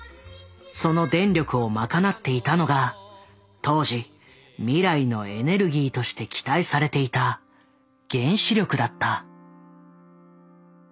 その電力を賄っていたのが当時未来のエネルギーとして期待されていた原子力だった。